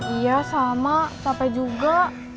iya sama capek juga